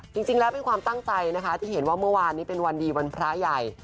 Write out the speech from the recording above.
จริงแล้วเป็นความตั้งใจนะคะที่เห็นว่าเมื่อวานนี้เป็นวันดีวันพระใหญ่